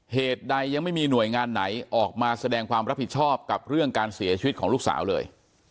เหตุใดยังไม่มีหน่วยงานไหนออกมาแสดงความรับผิดชอบกับเรื่องการเสียชีวิตของลูกสาวเลย